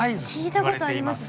聞いたことあります